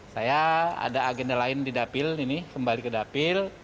saya ada agenda lain di dapil ini kembali ke dapil